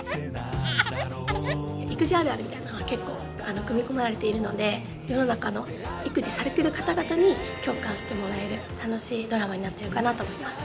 育児あるあるみたいなのが結構組み込まれているので世の中の育児されてる方々に共感してもらえる楽しいドラマになってるかなと思います。